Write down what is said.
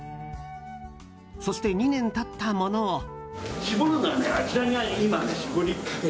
そして、２年経ったものを。